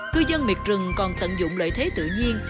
cư dân miệt rừng còn tận dụng lợi thế tự nhiên